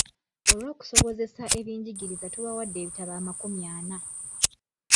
Olw'okusobozesa ebyenjigiriza tubawadde ebitabo amakumi ana.